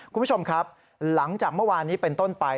คุณผู้ชมครับหลังจากเมื่อวานนี้เป็นต้นไป